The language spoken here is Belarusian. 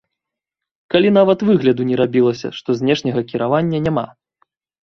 Калі нават выгляду не рабілася, што знешняга кіравання няма!